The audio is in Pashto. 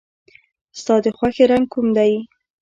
ستا د خوښې رنګ کوم دی؟